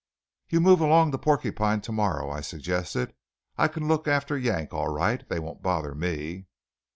"You move along to Porcupine to morrow," I suggested. "I can look after Yank all right. They won't bother me."